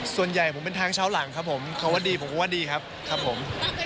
ส่วนใหญ่ผมเป็นทางเช้าหลังครับผมคำว่าดีผมก็ว่าดีครับครับผม